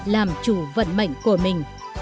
làm chủ vận mệnh của mình